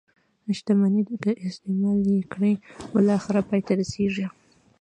شتمني که استعمال یې کړئ بالاخره پای ته رسيږي.